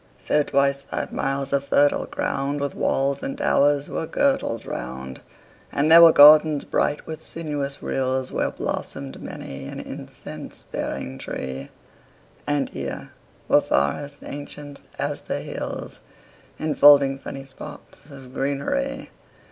5 So twice five miles of fertile ground With walls and towers were girdled round: And there were gardens bright with sinuous rills Where blossom'd many an incense bearing tree; And here were forests ancient as the hills, 10 Enfolding sunny spots of greenery.